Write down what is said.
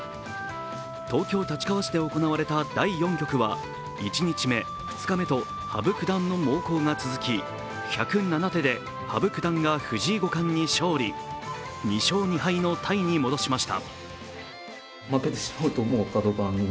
東京・立川市で行われた第４局は１日目、２日目と羽生九段の猛攻が続き１０７手で羽生九段が藤井五段に勝利２勝２敗のタイに戻しました。